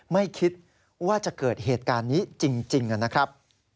ไม่คิดว่าจะเกิดเหตุการณ์นี้จริงนะครับ